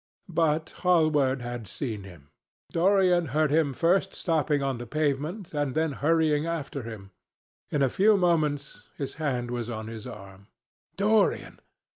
But Hallward had seen him. Dorian heard him first stopping on the pavement and then hurrying after him. In a few moments, his hand was on his arm. "Dorian!